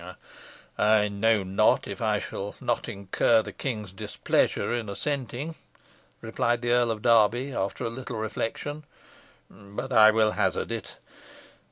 "I know not if I shall not incur the king's displeasure in assenting," replied the Earl of Derby, after a little reflection; "but I will hazard it.